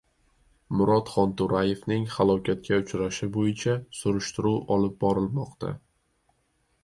Murod Xonto‘rayevning halokatga uchrashi bo‘yicha surishtiruv olib borilmoqda